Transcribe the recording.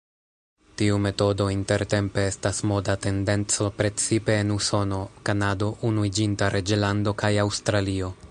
Tiu metodo intertempe estas moda tendenco precipe en Usono, Kanado, Unuiĝinta Reĝlando kaj Aŭstralio.